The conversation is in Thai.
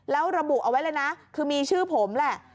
แล้วระบุเอาไว้เลยนะคือมีชื่อผมแหละ